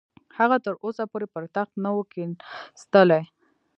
هغه تر اوسه پورې پر تخت نه وو کښېنستلی.